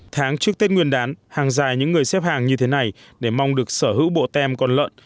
tháng trước tết nguyên đán hàng dài những người xếp hàng như thế này để mong được sở hữu bộ tem con lợn